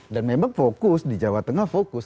dan memang fokus di jawa tengah fokus